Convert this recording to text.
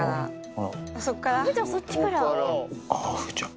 ああ、風ちゃん。